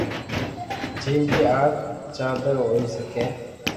جيم ڪي آ جلدو ھوئي سڪي